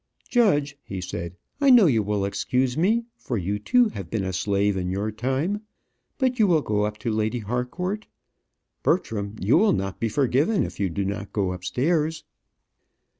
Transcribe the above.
"Judge," he said, "I know you will excuse me; for you, too, have been a slave in your time: but you will go up to Lady Harcourt; Bertram, you will not be forgiven if you do not go upstairs."